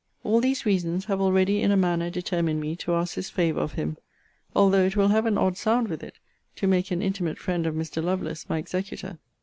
All these reasons have already in a manner determined me to ask this favour of him; although it will have an odd sound with it to make an intimate friend of Mr. Lovelace my executor.